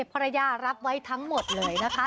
ภรรยารับไว้ทั้งหมดเลยนะคะ